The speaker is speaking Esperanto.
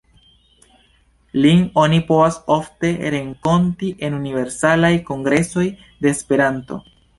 Lin oni povas ofte renkonti en Universalaj Kongresoj de Esperanto.